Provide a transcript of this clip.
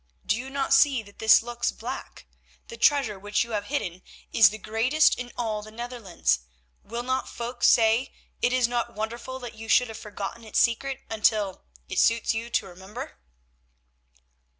Do you not see that this looks black? The treasure which you have hidden is the greatest in all the Netherlands. Will not folk say, it is not wonderful that you should have forgotten its secret until—it suits you to remember?"